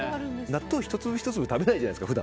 納豆１粒１粒普段食べないじゃないですか。